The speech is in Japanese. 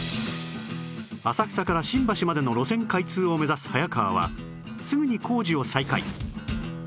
浅草から新橋までの路線開通を目指す早川はすぐに工事を再開